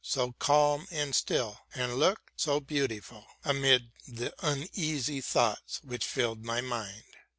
So calm and still and looked so beautiful Amid th' uneasy thoughts which fiU'd my mind.